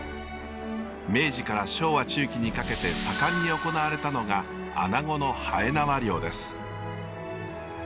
明治から昭和中期にかけて盛んに行われたのがアナゴのはえなわ漁です。